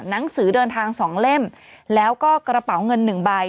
หนังสือเดินทาง๒เล่มแล้วก็กระเป๋าเงิน๑ใบ